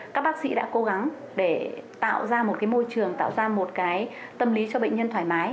các bác sĩ đã cố gắng để tạo ra một môi trường tạo ra một cái tâm lý cho bệnh nhân thoải mái